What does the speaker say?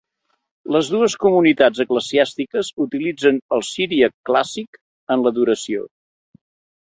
Les dues comunitats eclesiàstiques utilitzen el siríac clàssic en l'adoració.